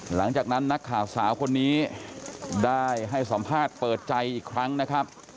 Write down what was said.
หลังจากนั้นนักข่าวสาวคนนี้ได้ให้สัมภาษณ์เปิดใจอีกครั้งนะครับ